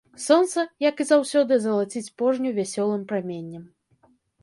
Сонца, як і заўсёды, залаціць пожню вясёлым праменнем.